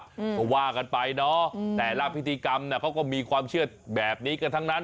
เพราะว่ากันไปเนาะแต่ละพิธีกรรมเขาก็มีความเชื่อแบบนี้กันทั้งนั้น